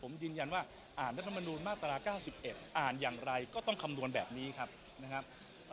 ผมยืนยันว่าอ่านรัฐมนูลมาตรา๙๑อ่านอย่างไรก็ต้องคำนวณแบบนี้ครับนะครับ